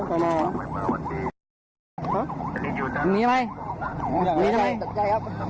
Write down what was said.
ขออนุญาตนะฮะ